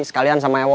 sekalian sama ewo